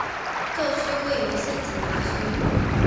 教区位于辛吉达区。